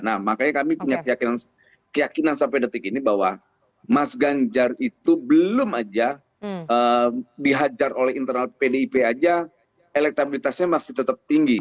nah makanya kami punya keyakinan sampai detik ini bahwa mas ganjar itu belum aja dihajar oleh internal pdip aja elektabilitasnya masih tetap tinggi